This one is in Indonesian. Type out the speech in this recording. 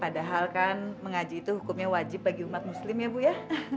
padahal kan mengaji itu hukumnya wajib bagi umat muslim ya bu ya